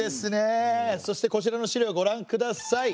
そしてこちらの資料ご覧ください。